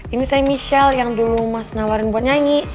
ini saya michelle yang dulu mas nawarin buat nyanyi